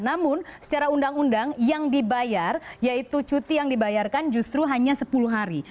namun secara undang undang yang dibayar yaitu cuti yang dibayarkan justru hanya sepuluh hari